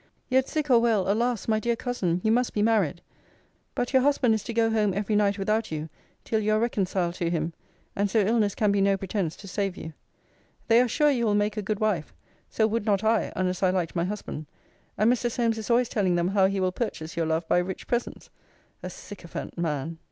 Yet, sick or well, alas! my dear cousin! you must be married. But your husband is to go home every night without you, till you are reconciled to him. And so illness can be no pretence to save you. They are sure you will make a good wife. So would not I, unless I liked my husband. And Mr. Solmes is always telling them how he will purchase your love by rich presents. A syncophant man!